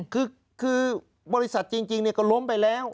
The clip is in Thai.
คือบริษัทจริงก็ล้มไปแล้ว